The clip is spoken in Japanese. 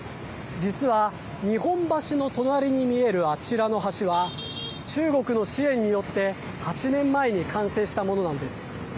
実は、日本橋の隣に見えるあちらの橋は中国の支援によって８年前に完成したものなんです。